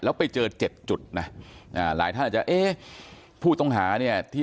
แล้วไปเจอเจ็ดจุดนะหลายท่านอาจจะเอ๊ะผู้ต้องหาเนี่ยที่